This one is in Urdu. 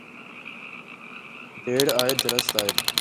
دیر آید درست آید۔